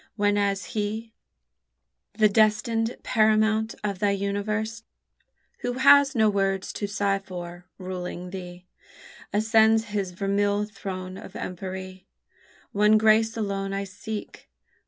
whenas he, The destined paramount of thy universe, Who has no worlds to sigh for, ruling thee, Ascends his vermeil throne of empery, One grace alone I seek.